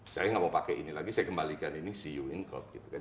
saya gak mau pakai ini lagi saya kembalikan ini see you in court gitu kan